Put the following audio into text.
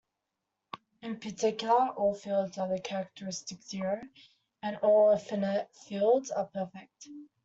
In particular, all fields of characteristic zero and all finite fields are perfect.